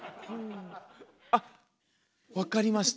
あっ分かりました！